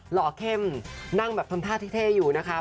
หล่อเข้มนั่งแบบทำท่าเท่อยู่นะคะ